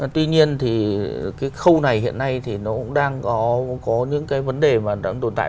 tuy nhiên thì cái khâu này hiện nay thì nó cũng đang có những cái vấn đề mà đang tồn tại